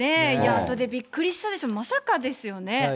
あとでびっくりしたでしょ、まさかですよね。